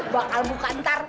bakal buka ntar